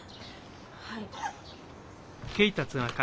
はい。